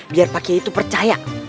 biar pak kiai itu percaya